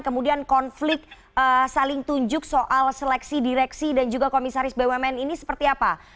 kemudian konflik saling tunjuk soal seleksi direksi dan juga komisaris bumn ini seperti apa